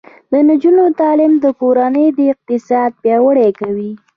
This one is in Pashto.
د نجونو تعلیم د کورنۍ اقتصاد پیاوړی کوي.